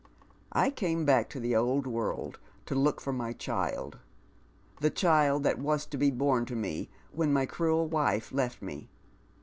I came back to the old world to look for my child, — the child that was to be born to me when my cruel wife left me."